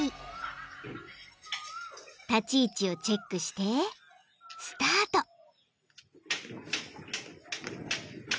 ［立ち位置をチェックしてスタート］